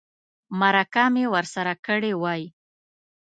مرکه مې ورسره کړې وای.